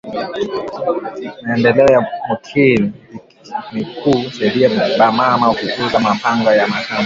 Maendeleo ya mukini ni ku saidiya ba mama ku uza ma mpango na mashamba